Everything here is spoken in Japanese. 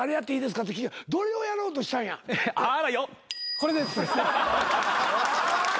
これです。